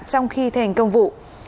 trong khi thành công vụ